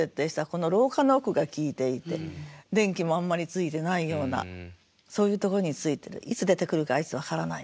この「廊下の奥」が効いていて電気もあんまりついてないようなそういうところについていつ出てくるかあいつ分からないみたいな。